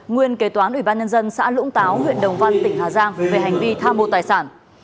nguyên kế toán ủy ban nhân dân xã lũng táo huyện đồng văn tỉnh hà giang về hành vi tham mô tài sản